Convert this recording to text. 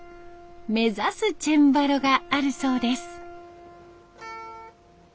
目指すチェンバロがあるそうです。